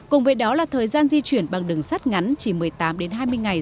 cùng với đó là thời gian di chuyển bằng đường sắt ngắn chỉ một mươi tám hai mươi ngày